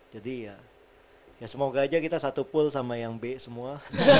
jadi ya semoga aja kita satu pool sama yang b semua